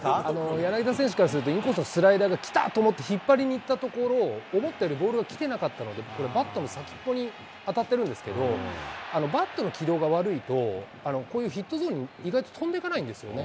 柳田選手からすると、インコースのスライダーが来たと思って、引っ張りにいったところ、思ったよりボールが来てなかったので、これ、バットの先っぽに当たってるんですけれども、バットの軌道が悪いと、こういうヒットゾーンに意外と飛んでいかないんですよね。